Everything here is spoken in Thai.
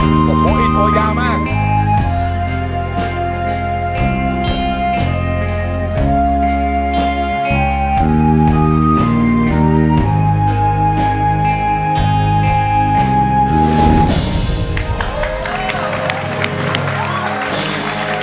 โอโหไอ้โทยยาวมาก